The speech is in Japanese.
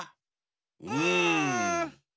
うん。